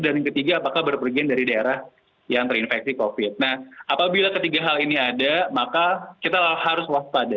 dan yang ketiga apakah berpergian dari daerah yang terinfeksi covid nah apabila ketiga hal ini ada maka kita harus waspada